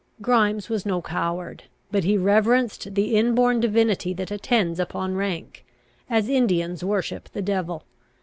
Grimes was no coward; but he reverenced the inborn divinity that attends upon rank, as Indians worship the devil.